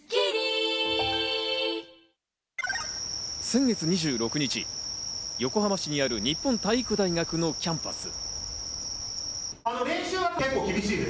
先月２６日、横浜市にある、日本体育大学のキャンパス。